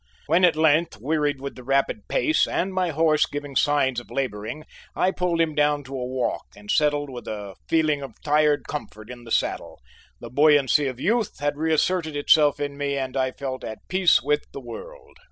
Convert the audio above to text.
When at length, wearied with the rapid pace and my horse giving signs of laboring, I pulled him down to a walk and settled with a feeling of tired comfort in the saddle, the buoyancy of youth had reasserted itself in me and I felt at peace with the world.